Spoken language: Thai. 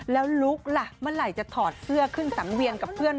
แล้วลุ๊กล่ะเมื่อไหร่จอดเสื้อขึ้นสั้นเวียน